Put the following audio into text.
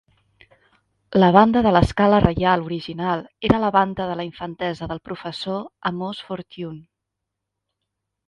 La Banda de l'Escala Reial original era la banda de la infantesa del professor Amos Fortune.